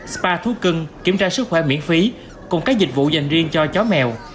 spa thuốc cưng kiểm tra sức khỏe miễn phí cùng các dịch vụ dành riêng cho chó mèo